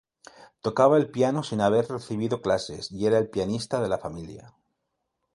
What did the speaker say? Tocaba el piano sin haber recibido clases y era el pianista de la familia.